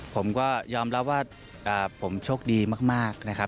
ผมก็ยอมรับว่าผมโชคดีมากนะครับ